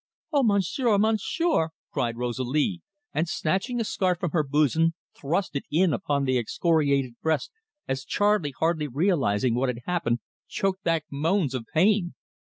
"Oh, Monsieur, Monsieur!" cried Rosalie, and, snatching a scarf from her bosom, thrust it in upon the excoriated breast, as Charley, hardly realising what had happened, choked back moans of pain.